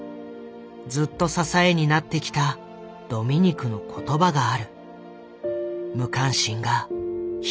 ずっと支えになってきたドミニクの言葉がある。